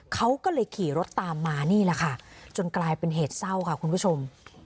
เขาก็เลยขี่รถตามมานี่แหละค่ะจนกลายเป็นเหตุเศร้าค่ะคุณผู้ชม